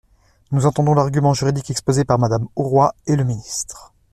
Nous entendons l’argument juridique exposé par Madame Auroi et le ministre.